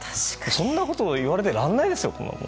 そんなこと言われてらんないですよ。